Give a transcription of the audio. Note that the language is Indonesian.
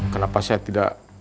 kenapa saya tidak